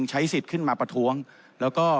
ใช้สิทธิ์ขึ้นมาประท้วงแล้วก็